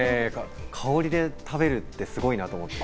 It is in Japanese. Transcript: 香りで食べるってすごいなと思って。